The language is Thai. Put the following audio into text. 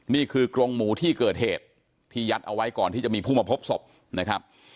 นี่คือกรงหมูที่เกิดเหตุที่ยัดเอาไว้ก่อนที่จะมีผู้มาพบศพนะครับ